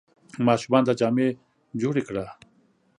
ماشومانو ته جامې جوړي کړه !